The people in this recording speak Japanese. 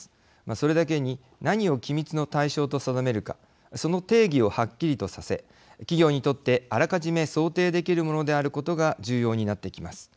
それだけに何を機密の対象と定めるかその定義をはっきりとさせ企業にとってあらかじめ想定できるものであることが重要になってきます。